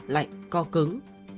lạnh co cứng